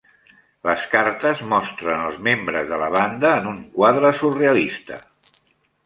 Les cartes mostren els membres de la banda en un quadre surrealista.